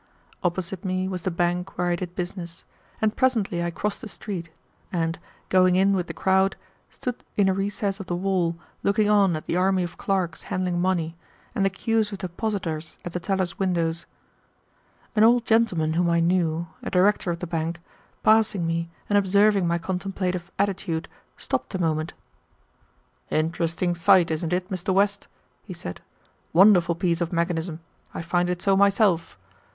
Opposite me was the bank where I did business, and presently I crossed the street, and, going in with the crowd, stood in a recess of the wall looking on at the army of clerks handling money, and the cues of depositors at the tellers' windows. An old gentleman whom I knew, a director of the bank, passing me and observing my contemplative attitude, stopped a moment. "Interesting sight, isn't it, Mr. West," he said. "Wonderful piece of mechanism; I find it so myself.